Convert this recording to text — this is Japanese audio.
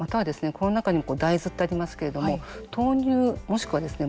この中にも大豆ってありますけれども豆乳もしくはですね